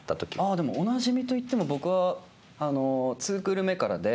でもおなじみと言っても僕は２クール目からで。